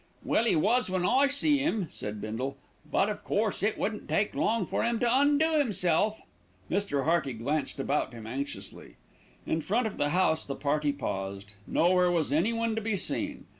"Well, 'e was when I see 'im," said Bindle, "but of course it wouldn't take long for 'im to undo 'imself." Mr. Hearty glanced about him anxiously. In front of the house the party paused. Nowhere was anyone to be seen.